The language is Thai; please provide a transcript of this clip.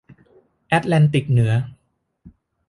แอตแลนติกเหนือ